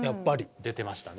出てましたね。